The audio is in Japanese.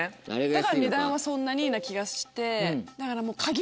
だから値段はそんなにな気がして。